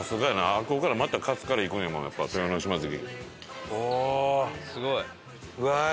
あそこからまたカツカレーいくんやもんやっぱ豊ノ島関。